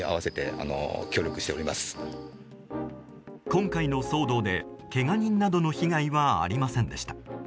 今回の騒動で、けが人などの被害はありませんでした。